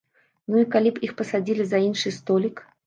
Ну, і калі б іх пасадзілі за іншы столік.